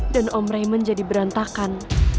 dan om raymond jadi berantakan